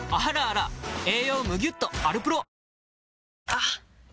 あっ！